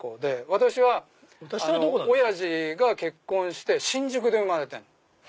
私はおやじが結婚して新宿で生まれてんの。